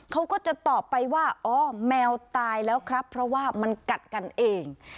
เขาก็จะตอบไปว่าอ๋อแมวตายแล้วครับเพราะว่ามันกัดกันเอง